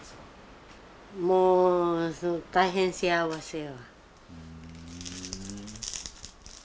もう大変幸せやわ。